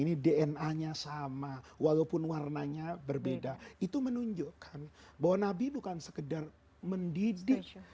ini dna nya sama walaupun warnanya berbeda itu menunjukkan bahwa nabi bukan sekedar mendidik